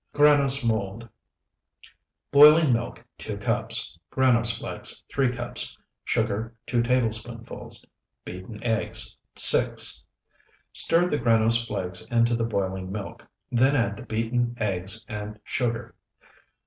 GRANOSE MOLD Boiling milk, 2 cups. Granose flakes, 3 cups. Sugar, 2 tablespoonfuls. Beaten eggs, 6. Stir the granose flakes into the boiling milk; then add the beaten eggs and sugar.